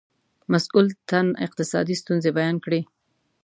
مسئول تن اقتصادي ستونزې بیان کړې.